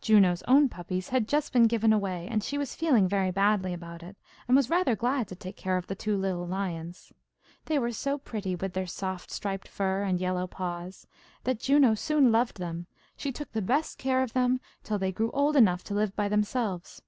Juno's own puppies had just been given away, and she was feeling very badly about it, and was rather glad to take care of the two little lions. They were so pretty, with their soft striped fur and yellow paws, that Juno soon loved them, and she took the best of care of them till they grew old enough to live by themselves.